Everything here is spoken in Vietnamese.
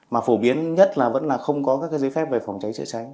mà phổ biến nhất là vẫn là không có các giấy phép về phòng cháy chữa cháy